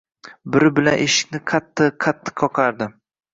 Biri bilan eshikni qatiq - qatiq qoqardim